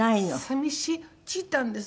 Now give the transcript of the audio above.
寂しいちーたんです。